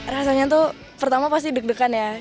rasanya tuh pertama pasti deg degan ya